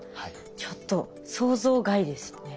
ちょっと想像外でしたね。